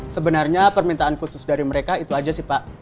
sebenarnya permintaan khusus dari mereka itu aja sih pak